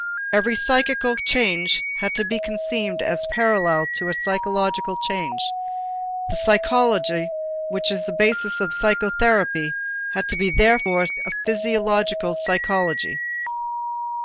Every psychical change had to be conceived as parallel to a physiological change. The psychology which is to be the basis of psychotherapy had to be therefore a physiological psychology.